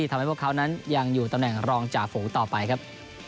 ทำให้พวกเขานั้นยังอยู่ตำแหน่งรองจ่าฝูต่อไปครับ